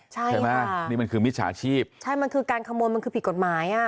ใช่ค่ะใช่มั้ยนี่มันคือมิจฉาชีพใช่มันคือการขโมนมันคือผิดกฎหมาย